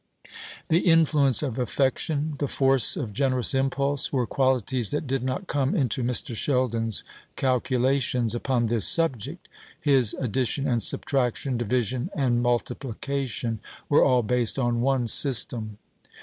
The influence of affection, the force of generous impulse, were qualities that did not come into Mr. Sheldon's calculations upon this subject. His addition and subtraction, division and multiplication, were all based on one system.